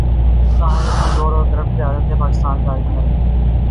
نا اہل‘ کمزور اور کرپٹ قیادتیں پاکستان کا المیہ رہی ہیں۔